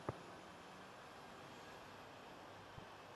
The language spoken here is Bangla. তাঁহারা মিথ্যা তর্কযুক্তির আশ্রয় গ্রহণ করিতে চাহেন নাই।